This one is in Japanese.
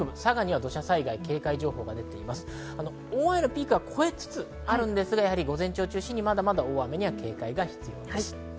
大雨のピークは越えつつあるんですが、午前中を中心にまだ警戒が必要です。